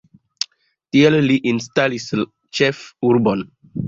Tie li instalis ĉefurbon.